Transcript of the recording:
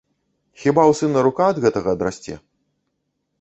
Хіба ў сына рука ад гэтага адрасце?